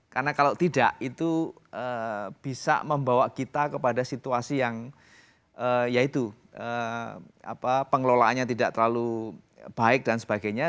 karena kalau tidak itu bisa membawa kita kepada situasi yang ya itu pengelolaannya tidak terlalu baik dan sebagainya